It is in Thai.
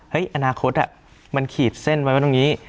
อนาคตมันขีดเส้นไว้ว่าตรงนี้